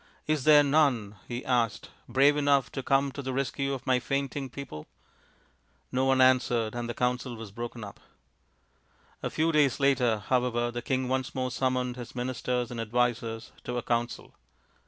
" Is there none/ 5 he asked, " brave enough to come to the rescue of my fainting people ?" No one answered, and the council was broken up. A few days later, however, the king once more summoned his ministers and advisers to a council.